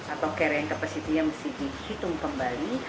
atau carrying capacity nya harus dihitung kembali